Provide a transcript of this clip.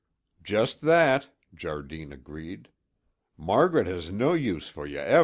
"Just that!" Jardine agreed. "Margaret has nae use for ye ava'."